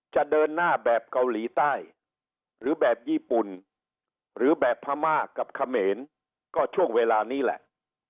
จะเดินหน้าแบบเกาหลีใต้หรือแบบญี่ปุ่นหรือแบบพม่ากับเขมรก็ช่วงเวลานี้แหละ